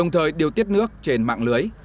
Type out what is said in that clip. tiết nước trên mạng lưới